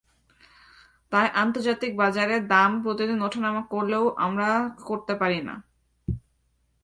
তাই আন্তর্জাতিক বাজারে দাম প্রতিদিন ওঠানামা করলেও আমরা করতে পারি না।